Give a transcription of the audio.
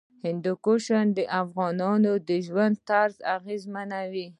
هندوکش د افغانانو د ژوند طرز اغېزمنوي.